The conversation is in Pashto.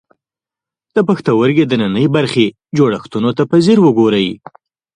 د پښتورګي دننۍ برخې جوړښتونو ته په ځیر وګورئ.